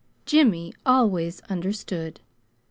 Jimmy always understood.